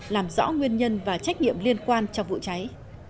làm rõ nguyên nhân và trách nhiệm liên quan cho vụ cháy